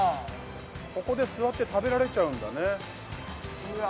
ここで座って食べられちゃうんだねうわ